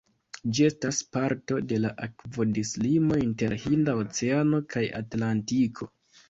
Ĝi estas parto de la akvodislimo inter Hinda Oceano kaj Atlantiko.